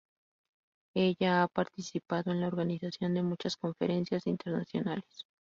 Ella ha participado en la organización de muchas conferencias internacionales.